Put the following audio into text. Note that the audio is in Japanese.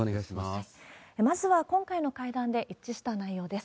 まずは今回の会談で一致した内容です。